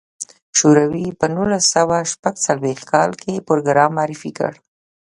شوروي په نولس سوه شپږ څلوېښت کال کې پروګرام معرفي کړ.